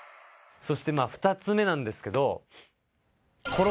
そして２つ目なんですけど。